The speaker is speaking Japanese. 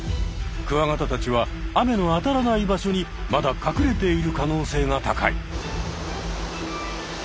クワガタたちは雨の当たらない場所にまだ隠れている可能性が高い。